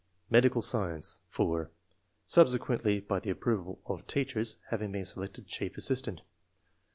Medical Science. — (4) Subsequently by the approval of teachers, having been selected chief assistant.